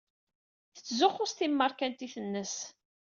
Tettzuxxu s timmeṛkantit-nnes.